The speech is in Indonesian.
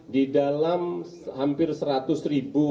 dalam hampir seratus ribu